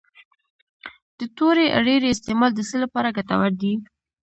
د تورې اریړې استعمال د څه لپاره ګټور دی؟